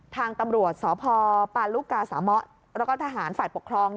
ทางตำรวจสพปาลุกาสามะแล้วก็ทหารฝ่ายปกครอง